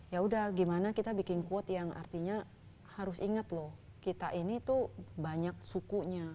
ya udah gimana kita bikin quote yang artinya harus inget loh kita ini tuh banyak sukunya